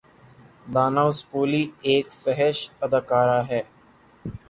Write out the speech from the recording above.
دانا وسپولی ایک فحش اداکارہ ہے